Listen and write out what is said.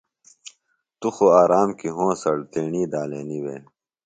تو خُو آرام کیۡ ہونسڑ تیݨی دالینیۡ وے۔